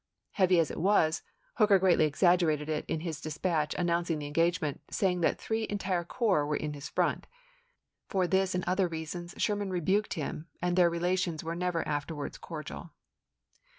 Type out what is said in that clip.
Heavy as it was, Hooker greatly exaggerated it in his dispatch announcing the engagement, saying that three en tire corps were in his front. For this and other reasons Sherman rebuked him, and their relations were never afterwards cordial.